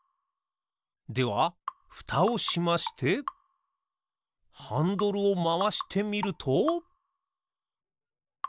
ではふたをしましてハンドルをまわしてみると。